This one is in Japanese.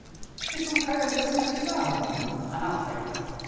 その海外に行った選手たちが花を咲いてきたんですね。